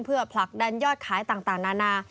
เพื่อผลักดันยอดขายต่างนานา